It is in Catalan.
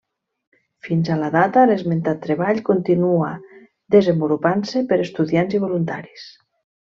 Fins a la data, l'esmentat treball continua desenvolupant-se per estudiants i voluntaris.